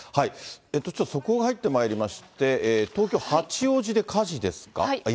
ちょっと速報が入ってまいりまして、東京・八王子で火事ですか？